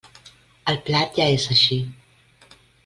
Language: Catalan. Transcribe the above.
El plat ja és així.